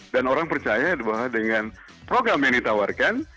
dan orang percaya bahwa dengan program yang ditawarkan